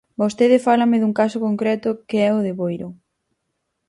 Vostede fálame dun caso concreto, que é o de Boiro.